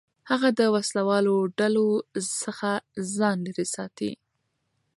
هغه د وسلهوالو ډلو څخه ځان لېرې ساتي.